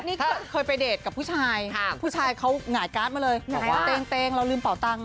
นี่เคยไปเดทกับผู้ชายผู้ชายเขาหงายการ์ดมาเลยบอกว่าเต็งเราลืมเป่าตังค